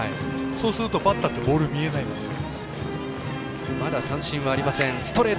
そうすると、バッターってボール見えないんですよ。